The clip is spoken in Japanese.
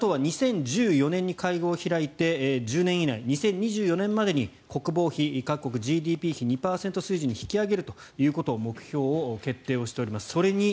ＮＡＴＯは２０１４年に会合を開いて１０年以内２０２４年までに国防費ＧＤＰ比２％以上を水準に引き上げるということを目標決定しております。